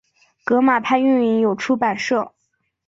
革马派运营有出版社。